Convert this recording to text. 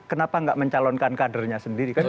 kenapa nggak mencalonkan kadernya sendiri